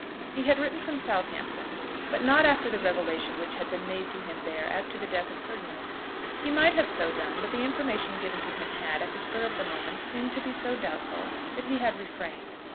He had written from Southampton, but not after the revelation which had been made to him there as to the death of Ferdinand. He might have so done, but the information given to him had, at the spur of the moment, seemed to be so doubtful that he had refrained.